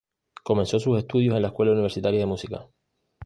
Comenzó sus estudios en la Escuela Universitaria de Música.